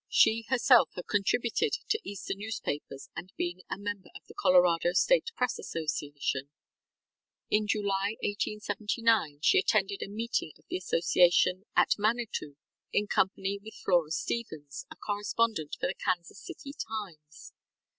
She, herself, had contributed to Eastern newspapers and been a member of the Colorado State Press Association. In July, 1879, she attended a meeting of the Association at Manitou in company with Flora Stevens, a correspondent for the Kansas City Times.